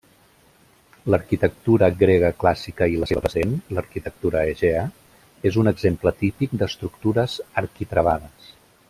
L'arquitectura grega clàssica i la seva precedent, l'arquitectura egea, és un exemple típic d'estructures arquitravades.